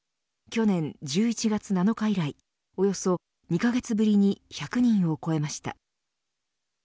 去年１１月７日以来およそ２カ月ぶりに１００人を超えました。